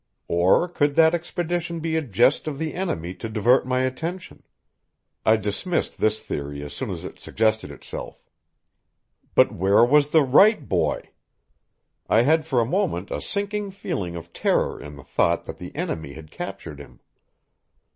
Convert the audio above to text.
Or could that expedition be a jest of the enemy to divert my attention? I dismissed this theory as soon as it suggested itself. But where was the "right boy"? I had for a moment a sinking feeling of terror in the thought that the enemy had captured him.